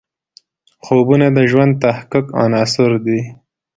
خوبونه د ژوند د تحقق عناصر دي.